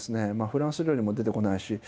フランス料理も出てこないし。